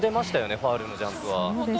ファウルのジャンプは。